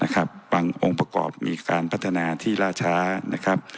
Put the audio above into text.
บางองค์ประกอบมีการพัฒนาที่ล่าช้านะครับ